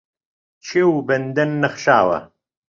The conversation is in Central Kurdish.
کێو و بەندەن نەخشاوە